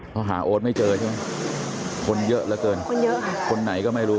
เพราะหาโอ๊ตไม่เจอใช่มั้ยคนเยอะเหลือเกินคนไหนก็ไม่รู้